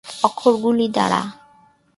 অক্ষরগুলি দ্বারা।